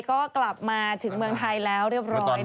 ก็กลับมาถึงเมืองไทยแล้วเรียบร้อย